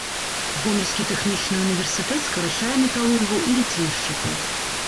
Гомельскі тэхнічны ўніверсітэт скарачае металургаў і ліцейшчыкаў.